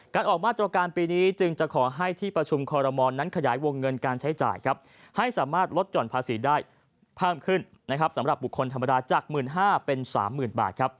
ออกมาตรการปีนี้จึงจะขอให้ที่ประชุมคอรมอลนั้นขยายวงเงินการใช้จ่ายครับให้สามารถลดหย่อนภาษีได้เพิ่มขึ้นนะครับสำหรับบุคคลธรรมดาจาก๑๕๐๐เป็น๓๐๐๐บาทครับ